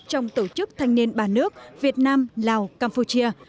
trong tổ chức thanh niên ba nước việt nam lào campuchia